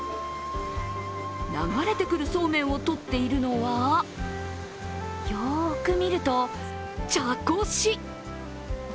流れてくるそうめんを取っているのは、よく見ると、茶こし。